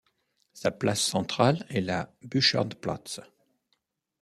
Sa place centrale est la Burchardplatz.